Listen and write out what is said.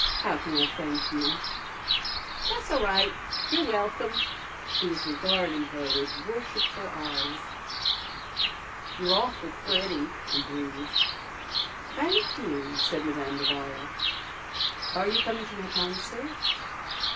How can I thank you?" "Tha's a'right. You're welcome." He was regarding her with worshipful eyes. "You're awful pretty," he breathed. "Thank you," said Madame d'Avala. "Are you coming to my concert?"